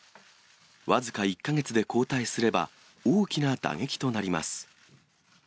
僅か１か月で交代すれば、大きな打撃となります。